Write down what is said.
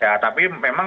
ya tapi memang